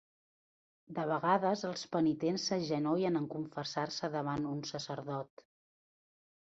De vegades els penitents s'agenollen en confessar-se davant un sacerdot.